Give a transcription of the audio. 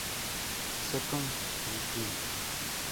Second Edition.